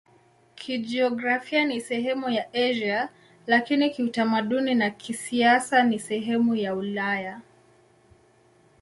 Kijiografia ni sehemu ya Asia, lakini kiutamaduni na kisiasa ni sehemu ya Ulaya.